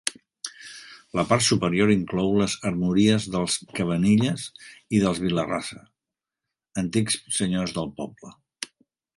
La part superior inclou les armories dels Cavanilles i dels Vila-rasa, antics senyors del poble.